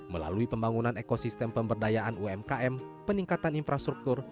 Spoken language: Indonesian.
melalui pembangunan ekosistem pemberdayaan umkm peningkatan infrastruktur